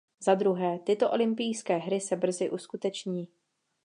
Za druhé, tyto olympijské hry se brzy uskuteční.